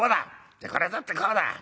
「じゃあこれを取ってこうだ」。